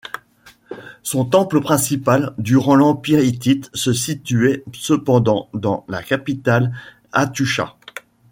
Son temple principal durant l'empire hittite se situait cependant dans la capitale, Hattusha.